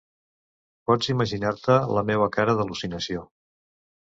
Pots imaginar-te la meua cara d’al·lucinació.